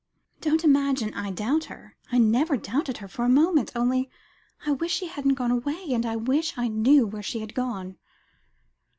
Don't imagine I doubt her. I never doubted her for a moment. Only I wish she hadn't gone away; and I wish I knew where she had gone."